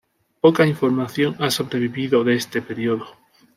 Poca información ha sobrevivido de este período.